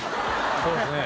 そうですね。